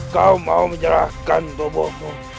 kau mau menyerahkan tubuhmu